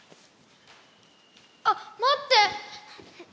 あっまって！